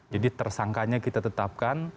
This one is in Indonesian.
jadi tersangkanya kita tetapkan